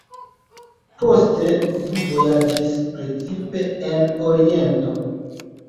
Poste li vojaĝis, precipe en Oriento.